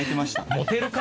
モテるか！